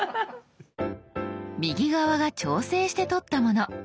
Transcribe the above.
右側が調整して撮ったもの。